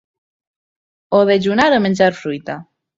O dejunar o menjar fruita.